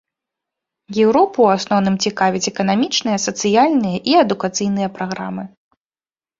Еўропу ў асноўным цікавяць эканамічныя, сацыяльныя і адукацыйныя праграмы.